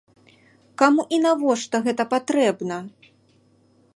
Каму і навошта гэта патрэбна?